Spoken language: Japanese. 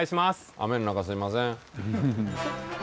雨の中すいません。